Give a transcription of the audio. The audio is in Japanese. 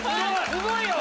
すごいよ！